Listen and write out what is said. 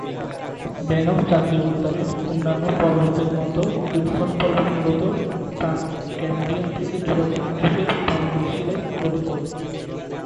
Banff জাতীয় উদ্যানের অন্যান্য পর্বতের মত উইলসন পর্বত মূলত প্রাক-ক্যাম্ব্রিয়ান থেকে জুরাসিক যুগের পাললিক শিলায় গঠিত।